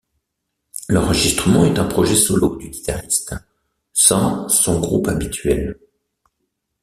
L'enregistrement est un projet solo du guitariste, sans son groupe habituel.